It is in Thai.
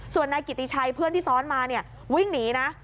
ส่วนนายกิติชัยเพื่อนที่ซ้อนมาเนี่ยวิ่งหนีนะ